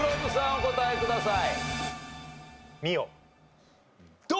お答えください。